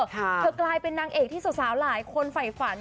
เธอกลายเป็นนางเอกที่สาวหลายคนฝ่ายฝัน